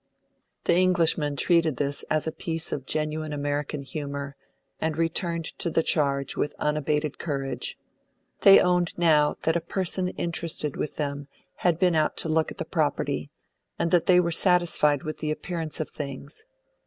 The Englishmen treated this as a piece of genuine American humour, and returned to the charge with unabated courage. They owned now, that a person interested with them had been out to look at the property, and that they were satisfied with the appearance of things.